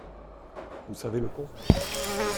Vous savez le conte.